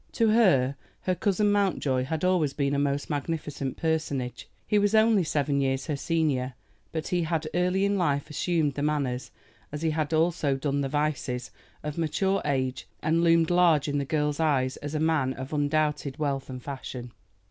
To her her cousin Mountjoy had always been a most magnificent personage. He was only seven years her senior, but he had early in life assumed the manners, as he had also done the vices, of mature age, and loomed large in the girl's eyes as a man of undoubted wealth and fashion.